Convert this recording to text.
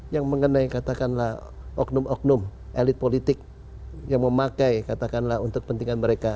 yang mengenai katakanlah oknum oknum elit politik yang memakai katakanlah untuk kepentingan mereka